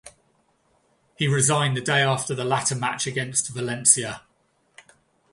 He resigned the day after the latter match against Valencia.